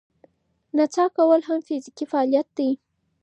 نڅا کول هم فزیکي فعالیت دی.